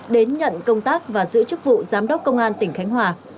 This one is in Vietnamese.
đến nhận công tác và giữ chức vụ giám đốc công an tỉnh khánh hòa